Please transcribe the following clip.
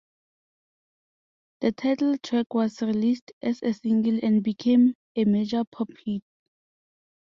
The title track was released as a single and became a major pop hit.